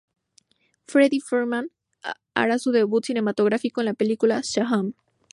Freddy Freeman hará su debut cinematográfico en la película "Shazam!